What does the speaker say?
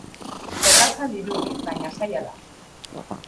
Erraza dirudi, baina zaila da.